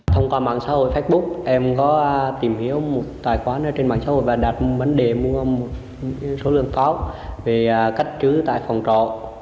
thông qua mạng xã hội facebook em có tìm hiểu một tài khoản trên mạng xã hội và đặt vấn đề mua một số lượng pháo về cách trứ tại phòng trọ